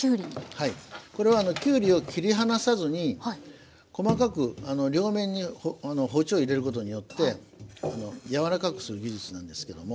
はいこれはきゅうりを切り離さずに細かく両面に包丁を入れることによってやわらかくする技術なんですけども。